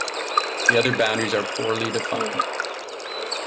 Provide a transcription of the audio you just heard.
The other boundaries are poorly defined.